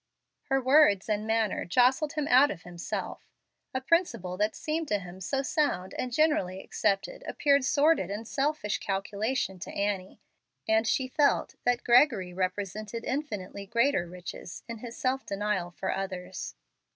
Her words and manner jostled him out of himself. A principle that seemed to him so sound and generally accepted appeared sordid and selfish calculation to Annie and she felt that Gregory represented infinitely greater riches in his self denial for others.